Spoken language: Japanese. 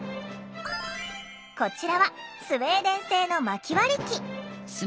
こちらはスウェーデン製のまき割り機。